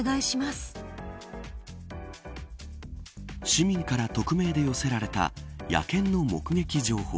市民から匿名で寄せられた野犬の目撃情報。